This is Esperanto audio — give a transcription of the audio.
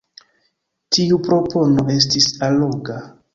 Tiu propono estis alloga.